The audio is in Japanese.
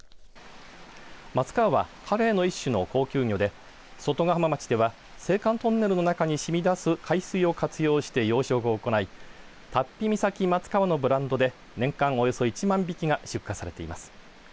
マツカワはカレイの一種の高級魚で外ヶ浜町では青函トンネルの中に染み出す海水を活用して養殖を行い龍飛岬マツカワのブランドで年間およそ１万匹が出荷されています。